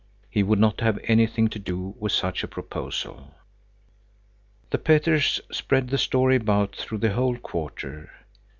He would not have anything to do with such a proposal. The Petters spread the story about through the whole quarter.